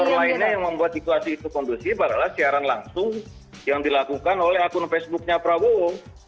faktor lainnya yang membuat situasi itu kondusif adalah siaran langsung yang dilakukan oleh akun facebooknya prabowo